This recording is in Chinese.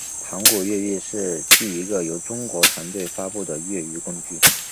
盘古越狱是第一个由中国团队发布的越狱工具。